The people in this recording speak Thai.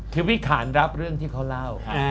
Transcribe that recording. คือวิขานรับเรื่องที่เขาเล่า